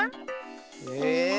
え。